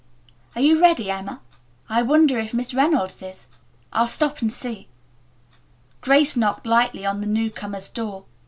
"Are you ready, Emma? I wonder if Miss Reynolds is. I'll stop and see." Grace knocked lightly on the newcomer's door.